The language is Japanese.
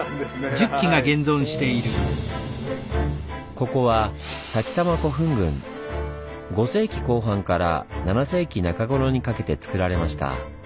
ここは５世紀後半から７世紀中頃にかけてつくられました。